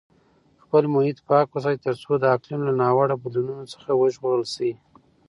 خپل محیط پاک وساتئ ترڅو د اقلیم له ناوړه بدلونونو څخه وژغورل شئ.